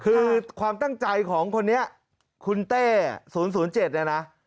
คือความตั้งใจของคนนี้คุณเต้๐๐๗เนี่ยนะ